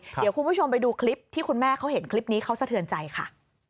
เดี๋ยวคุณผู้ชมไปดูคลิปที่คุณแม่เขาเห็นคลิปนี้เขาสะเทือนใจค่ะ